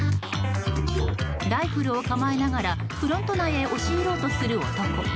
ライフルを構えながらフロント内へ押し入ろうとする男。